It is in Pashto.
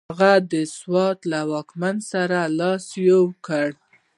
هغه د سوات له واکمن سره لاس یو کړ.